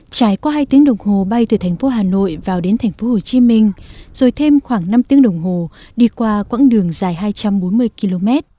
trải qua hai tiếng đồng hồ bay từ thành phố hà nội vào đến thành phố hồ chí minh rồi thêm khoảng năm tiếng đồng hồ đi qua quãng đường dài hai trăm bốn mươi km